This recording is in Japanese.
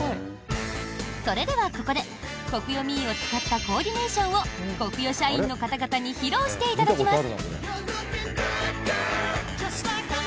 それではここでＫＯＫＵＹＯＭＥを使ったコーディネーションをコクヨ社員の方々に披露していただきます。